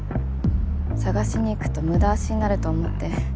探しに行くと無駄足になると思って。